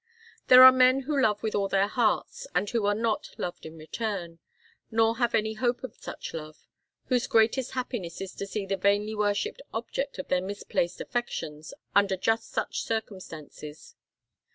There are men who love with all their hearts and who are not loved in return, nor have any hope of such love, whose greatest happiness is to see the vainly worshipped object of their misplaced affections under just such circumstances.